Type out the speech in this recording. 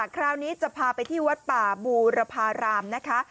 คราวนี้จะพาไปที่วัดป่าบูรพารามนะคะ